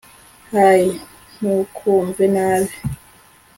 hey, ntukumve nabi